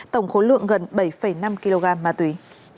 tổng khối lượng gần bảy năm kg ma túy